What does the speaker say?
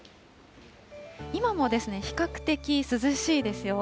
今も比較的涼しいですよ。